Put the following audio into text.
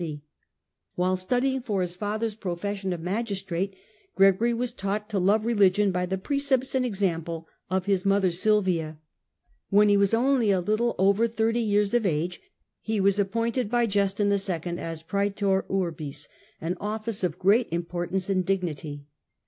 While studying for his i father's profession of magistrate, Gregory was taught to \i love religion by the precepts and example of his mother Silvia. When he was only a little over thirty years of ; age he was appointed by Justin II. as Prcetor Urbis, an office of great importance and dignity.